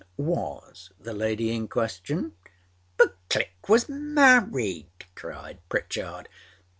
was the lady in question.â âBut Click was married,â cried Pritchard.